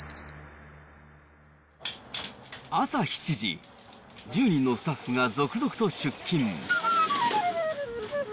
朝７時、１０人のスタッフが続々と出勤。